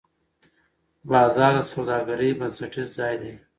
بازار د سوداګرۍ بنسټیز ځای دی.